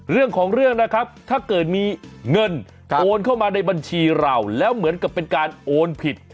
เรื่องของเรื่องนะครับถ้าเกิดมีเงินโอนเข้ามาในบัญชีเราแล้วเหมือนกับเป็นการโอนผิด